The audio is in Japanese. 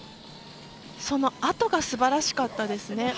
そのあとがすばらしかったですね。